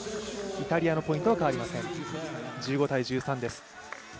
イタリアのポイントは変わりません、１５−１３です。